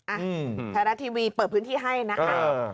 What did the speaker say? อ่ะไทยรัฐทีวีเปิดพื้นที่ให้นะคะ